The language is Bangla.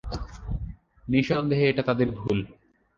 নিঃসন্দেহে এটা তাদের ভুল।